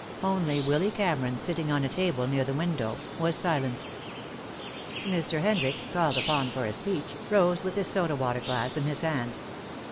Only Willy Cameron, sitting on a table near the window, was silent. Mr. Hendricks, called upon for a speech, rose with his soda water glass in his hand.